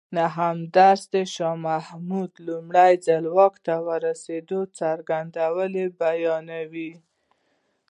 نهم لوست د شاه محمود لومړی ځل واک ته رسېدو څرنګوالی بیانوي.